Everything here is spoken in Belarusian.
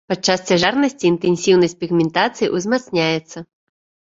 Падчас цяжарнасці інтэнсіўнасць пігментацыі узмацняецца.